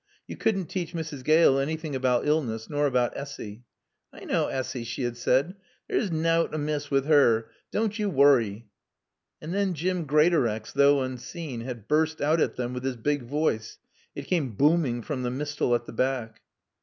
You couldn't teach Mrs. Gale anything about illness, nor about Essy. "I knaw Assy," she had said. "There's nowt amiss with her. Doan't you woorry." And then Jim Greatorex, though unseen, had burst out at them with his big voice. It came booming from the mistal at the back.